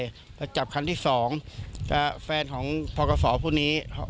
แล้วจับครั้งที่สองแฟนของพ่อกษผู้นี้